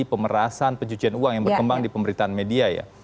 pemerasan pencucian uang yang berkembang di pemberitaan media ya